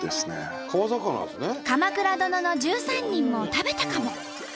「鎌倉殿の１３人」も食べたかも。